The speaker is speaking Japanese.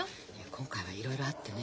今回はいろいろあってね